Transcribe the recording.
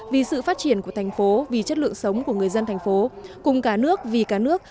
vì sự phát triển của thành phố vì chất lượng sống của người dân thành phố cùng cả nước vì cả nước